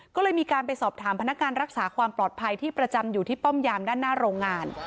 ก็เลยมีการไปสอบถามพนักงานรักษาความปลอดภัยที่ประจำอยู่ที่ป้อมยามด้านหน้าโรงงาน